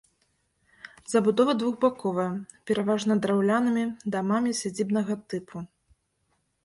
Забудова двухбаковая, пераважна драўлянымі дамамі сядзібнага тыпу.